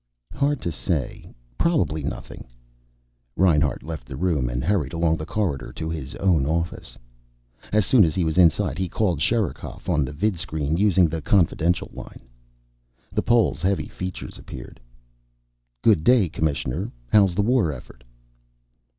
"Hard to say. Probably nothing." Reinhart left the room and hurried along the corridor to his own office. As soon as he was inside he called Sherikov on the vidscreen, using the confidential line. The Pole's heavy features appeared. "Good day, Commissioner. How's the war effort?"